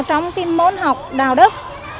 trong cái môn học đạo đức